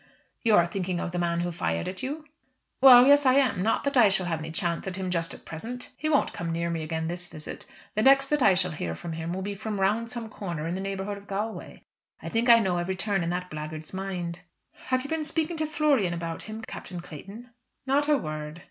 "You are thinking of the man who fired at you?" "Well, yes; I am. Not that I shall have any chance at him just at present. He won't come near me again this visit. The next that I shall hear from him will be from round some corner in the neighbourhood of Galway. I think I know every turn in that blackguard's mind." "Have you been speaking to Florian about him, Captain Clayton?" "Not a word."